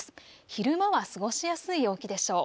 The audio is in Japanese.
昼間は過ごしやすい陽気でしょう。